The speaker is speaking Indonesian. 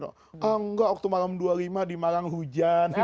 oh enggak waktu malam dua puluh lima di malang hujan